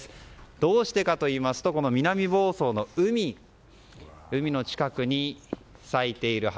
どうしてかといいますとこの南房総の海の近くに咲いている花。